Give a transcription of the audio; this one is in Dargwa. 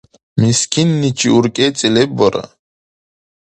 Мискинничи уркӀецӀи леб вара?